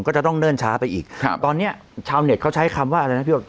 ก็จะต้องเนิ่นช้าไปอีกครับตอนเนี้ยชาวเน็ตเขาใช้คำว่าอะไรนะพี่บอก